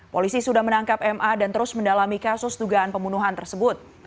polisi sudah menangkap ma dan terus mendalami kasus dugaan pembunuhan tersebut